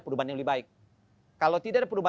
perubahan yang lebih baik kalau tidak ada perubahan